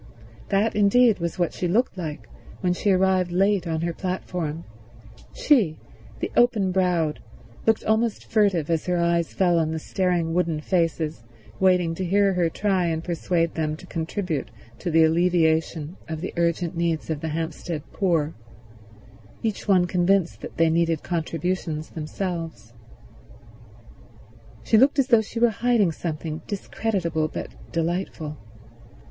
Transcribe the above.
That, indeed, was what she looked like when she arrived late on her platform; she, the open browed, looked almost furtive as her eyes fell on the staring wooden faces waiting to hear her try and persuade them to contribute to the alleviation of the urgent needs of the Hampstead poor, each one convinced that they needed contributions themselves. She looked as though she were hiding something discreditable but delightful.